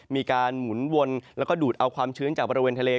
หมุนวนแล้วก็ดูดเอาความชื้นจากบริเวณทะเล